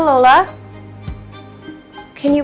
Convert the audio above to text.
boleh aku lihat schedule aku dulu